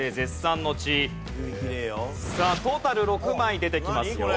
さあトータル６枚出てきますよ。